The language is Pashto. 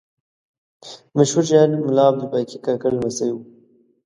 مشهور شاعر ملا عبدالباقي کاکړ لمسی و.